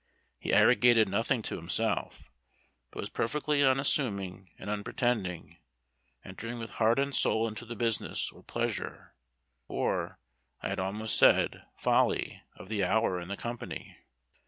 He arrogated nothing to himself, but was perfectly unassuming and unpretending, entering with heart and soul into the business, or pleasure, or, I had almost said, folly, of the hour and the company.